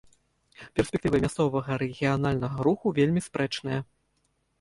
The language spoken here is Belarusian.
Перспектывы мясцовага рэгіянальнага руху вельмі спрэчныя.